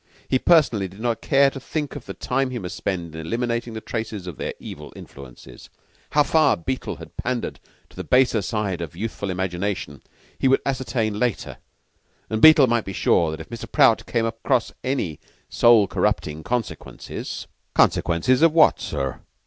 He personally did not care to think of the time he must spend in eliminating the traces of their evil influences. How far Beetle had pandered to the baser side of youthful imagination he would ascertain later; and Beetle might be sure that if Mr. Prout came across any soul corrupting consequences "Consequences of what, sir?"